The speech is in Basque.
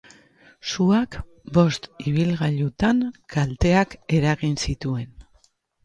Suak bost ibilgailutan kalteak eragin zituen.